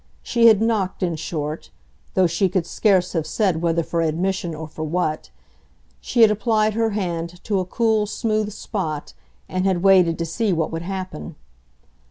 She had knocked, in short though she could scarce have said whether for admission or for what; she had applied her hand to a cool smooth spot and had waited to see what would happen.